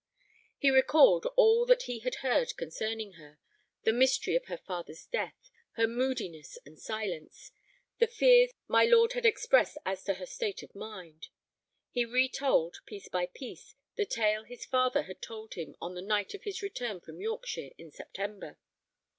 He recalled all that he had heard concerning her—the mystery of her father's death, her moodiness and silence, the fears my lord had expressed as to her state of mind. He retold, piece by piece, the tale his father had told him on the night of his return from Yorkshire in September.